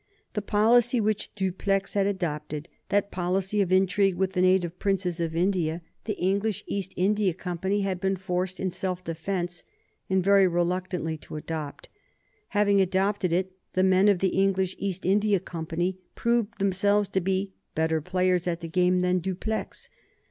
The policy which Dupleix had adopted, that policy of intrigue with the native princes of India, the English East India Company had been forced in self defence and very reluctantly to adopt. Having adopted it, the men of the English East India Company proved themselves to be better players at the game than Dupleix.